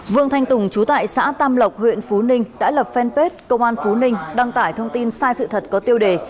vương thanh tùng chú tại xã tam lộc huyện phú ninh đã lập fanpage công an phú ninh đăng tải thông tin sai sự thật có tiêu đề